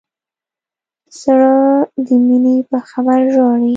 زړه د مینې په خبر ژاړي.